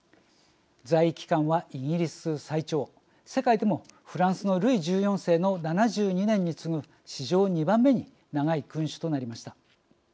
在位期間はイギリス最長、世界でもフランスのルイ１４世の７２年に次ぐ史上２番目に長い君主となりました。